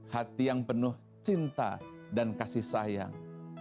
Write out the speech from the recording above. hati yang penuh cinta dan kasih sayang